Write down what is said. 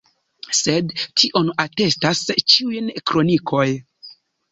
Sed tion atestas ĉiuj kronikoj.